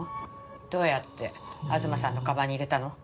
どうやって東さんの鞄に入れたの？